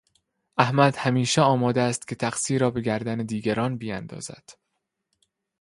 احمد همیشه آماده است که تقصیر را به گردن دیگران بیاندازد.